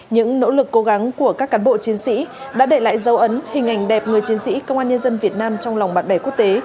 những nỗ lực cố gắng của các cán bộ chiến sĩ đã để lại dấu ấn hình ảnh đẹp người chiến sĩ công an nhân dân việt nam trong lòng bạn bè quốc tế